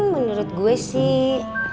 menurut gue sih